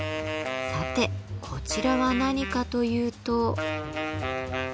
さてこちらは何かというと。